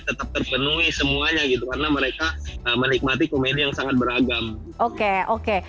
tetap terpenuhi semuanya gitu karena mereka menikmati komedi yang sangat beragam oke oke